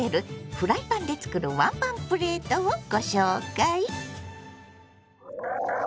フライパンで作るワンパンプレートをご紹介！